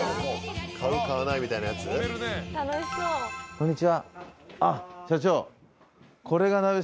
こんにちは。